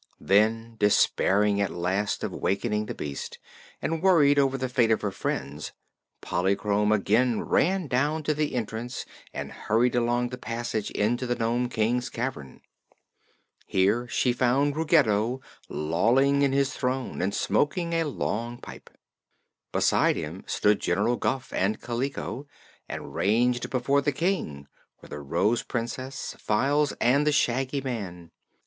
Then, despairing at last of wakening the beast, and worried over the fate of her friends, Polychrome again ran down to the entrance and hurried along the passage into the Nome King's cavern. Here she found Ruggedo lolling in his throne and smoking a long pipe. Beside him stood General Guph and Kaliko, and ranged before the King were the Rose Princess, Files and the Shaggy Man.